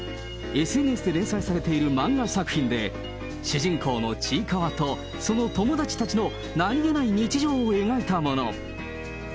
ＳＮＳで連載されている漫画作品で、主人公のちいかわと、その友達たちの何気ない日常を描いたもの。